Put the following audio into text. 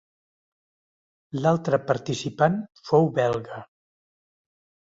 L'altre participant fou belga.